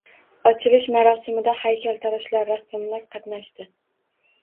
Ochilish marosimida haykaltaroshlar, rassomlar qatnashdi.